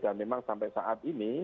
dan memang sampai saat ini